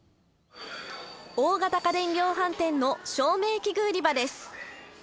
大型家電量販店の照明器具売り場です。